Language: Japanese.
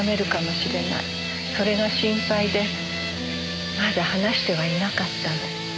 それが心配でまだ話してはいなかったの。